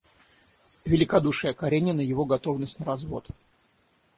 Великодушие Каренина, его готовность на развод.